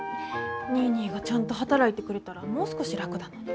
ニーニーがちゃんと働いてくれたらもう少し楽だのに。